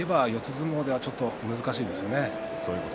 相撲ではちょっと難しいですよね。